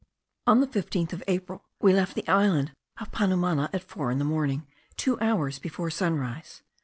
On the 15th of April, we left the island of Panumana at four in the morning, two hours before sunrise.